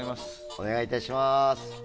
お願いいたします。